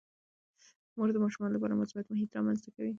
مور د ماشومانو لپاره مثبت محیط رامنځته کوي.